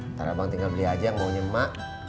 ntar abang tinggal beli aja yang mau nyemak